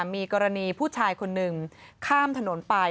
มีกรณีผู้ชายคนหนึ่งข้ามถนนไป